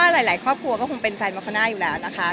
เอาว่าหลายครอบครัวก็คงเป็นสายมักคณะอยู่แล้วนะคะ